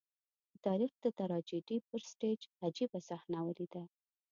د تاریخ د ټراجېډي پر سټېج عجيبه صحنه ولیده.